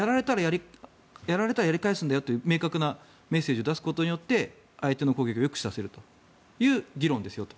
やられたらやり返すんだよという明確なメッセージを出すことで相手の攻撃を抑止させるという議論ですよと。